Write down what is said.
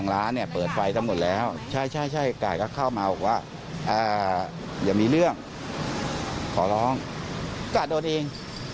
แล้วเขาพูดก่าวว่ายังไงบ้างวื้อนุ่มพรุ่งนั่น